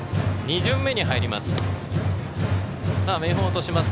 ２巡目に入ります。